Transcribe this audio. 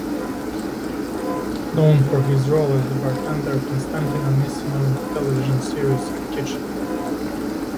Known for his role as the bartender Konstantin Anisimov in the television series "Kitchen".